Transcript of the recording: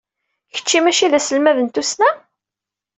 Kečč maci d aselmad n tussna?